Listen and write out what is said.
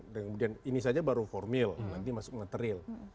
dan kemudian ini saja baru formil nanti masuk ngetril